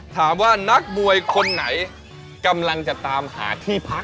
นักมวยคนไหนกำลังจะตามหาที่พัก